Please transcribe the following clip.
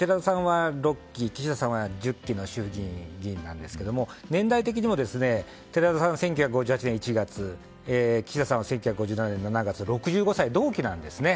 岸田さんは１０期の衆議院議員なんですが年代的にも寺田さんは１９５８年１月岸田さんは１９５７年６月同期なんです。